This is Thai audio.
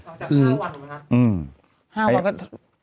ทั้งแต่๕วันมั้ยคะอืม